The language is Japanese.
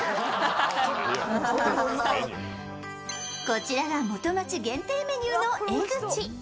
こちらが元町限定メニューのエグチ。